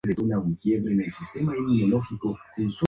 Las dendritas producidas serán de mayores dimensiones.